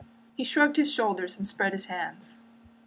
He shrugged his shoulders and spread out his hands.